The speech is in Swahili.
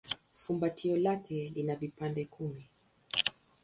Fumbatio lake lina vipande kumi.